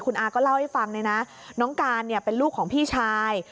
คุณอาก็เล่าให้ฟังเลยนะน้องการเป็นลูกของพี่ชาย